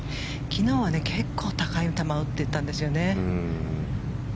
昨日は結構高い球を打ってたんですよね。